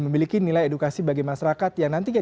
memiliki nilai edukasi bagi masyarakat yang nantinya